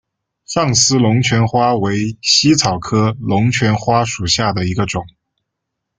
上思龙船花为茜草科龙船花属下的一个种。